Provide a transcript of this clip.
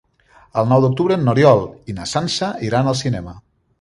El nou d'octubre n'Oriol i na Sança iran al cinema.